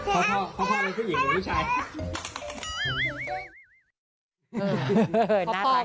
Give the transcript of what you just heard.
พ่อต้องพ่อรู้ถึงผู้หญิงหรือผู้ชาย